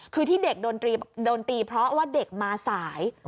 คือที่เด็กโดนตีเพราะว่าเด็กมาสาย